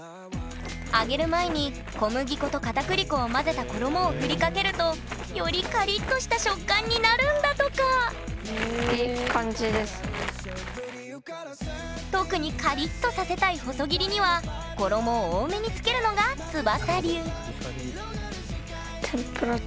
揚げる前に小麦粉とかたくり粉を混ぜた衣をふりかけるとよりカリッとした食感になるんだとか特にカリッとさせたい細切りには衣を多めにつけるのがつばさ流